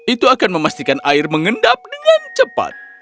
itu akan memastikan air mengendap dengan cepat